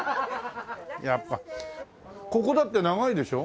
ここだって長いでしょ？